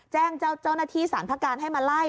แจ้งเจ้าหน้าที่สารพระการให้มาไล่